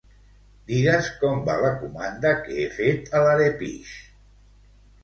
Digues com va la comanda que he fet a l'Arepish.